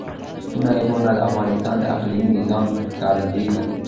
ستوني غرونه د افغانستان د اقلیمي نظام ښکارندوی ده.